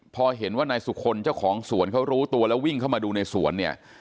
พอเห็นว่านายสุคลเจ้าของสวนเขารู้ตัวแล้ววิ่งเข้ามาดูในสวนเนี่ย